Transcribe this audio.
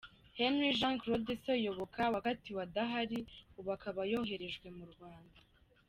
Henri Jean Claude Seyoboka wakatiwe adahari ubu akaba yoherejwe mu Rwanda .